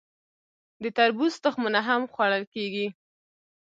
د تربوز تخمونه هم خوړل کیږي.